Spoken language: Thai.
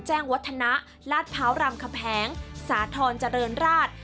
แจ้งวัฒนาราชพร้าวรำคแผงสาธรณ์เจริญราช